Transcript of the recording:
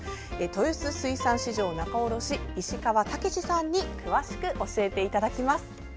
豊洲水産市場仲卸、石川武さんに詳しく教えていただきます。